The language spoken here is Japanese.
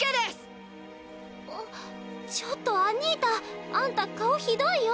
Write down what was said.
あっちょっとアニータあんた顔ひどいよ？